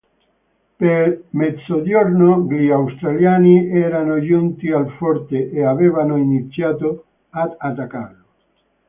Per mezzogiorno gli australiani erano giunti al forte e avevano iniziato ad attaccarlo.